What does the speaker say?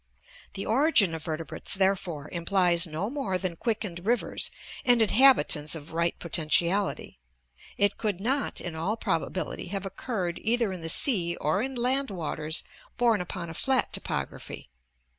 The origin of vertebrates, therefore, implies no more than quick ened rivers and inhabitants of right potentiality; it could not, in all probability, have occurred either in the sea or in land waters borne upon a flat topography.